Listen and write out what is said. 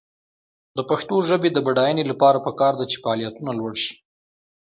د پښتو ژبې د بډاینې لپاره پکار ده چې فعالیتونه لوړ شي.